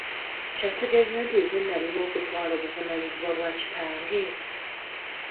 Ky'ategeeza nti nze nnalina okutwala obuvunaanyizibwa bwa kitange?